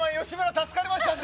助かりましたんで。